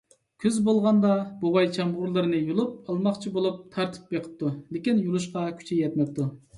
كۈز بولغاندا، بوۋاي چامغۇرلىرىنى يۇلۇپ ئالماقچى بولۇپ تارتىپ بېقىپتۇ، لېكىن يۇلۇشقا كۈچى يەتمەپتۇ.